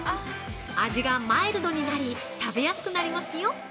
味がマイルドになり食べやすくなりますよ。